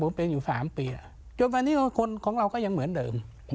ผมเป็นอยู่๓ปีจนวันนี้คนของเราก็ยังเหมือนเดิม